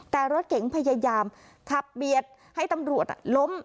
แต่รถเก๋งพยายามขับเบียดให้ตำรวจล้ม